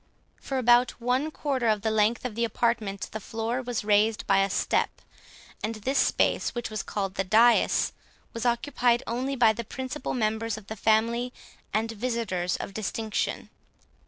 For about one quarter of the length of the apartment, the floor was raised by a step, and this space, which was called the dais, was occupied only by the principal members of the family, and visitors of distinction.